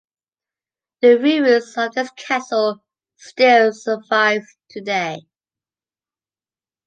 The ruins of this castle still survive today.